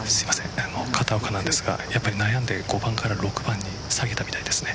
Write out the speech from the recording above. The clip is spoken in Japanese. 片岡なんですが、悩んで５番から６番に下げたみたいですね。